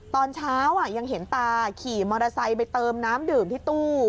ตอนเช้ายังเห็นตาขี่มอเตอร์ไซค์ไปเติมน้ำดื่มที่ตู้